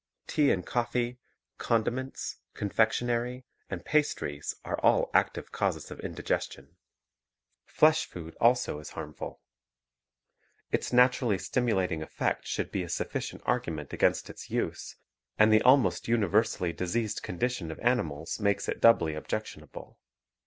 Tea and coffee, condiments, confectionery, and pas tries are all active causes of indigestion. Flesh food also is harmful. Its naturally stimulating effect should be a sufficient argument against its use; and the almost universally diseased condition of animals makes it doubly objectionable.